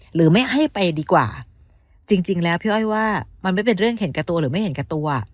หรือไม่ให้ไปดีกว่าจริงแล้วพี่อ้อยว่ามันไม่เป็นเรื่องเห็นแก่ตัวหรือไม่เห็นกับตัว